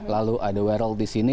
lalu ada werror di sini